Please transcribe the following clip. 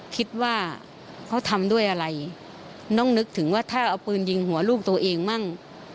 คิดว่าเขาทำด้วยอะไรน้องนึกถึงว่าถ้าเอาปืนยิงหัวลูกตัวเองมั่ง